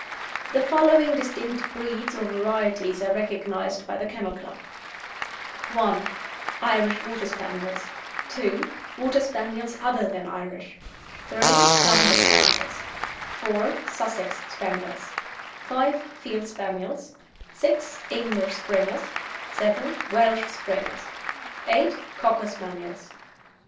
The following distinct breeds or varieties are recognised by the Kennel Club: (1) Irish Water Spaniels; (2) Water Spaniels other than Irish; (3) Clumber Spaniels; (4) Sussex Spaniels; (5) Field Spaniels; (6) English Springers; (7) Welsh Springers; (8) Cocker Spaniels.